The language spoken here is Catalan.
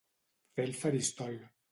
Fer el faristol.